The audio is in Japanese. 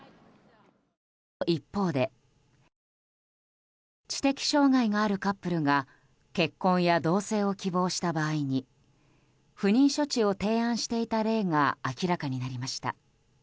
一方で知的障害があるカップルが結婚や同棲を希望した場合に不妊処置を提案していた例が明らかになりました。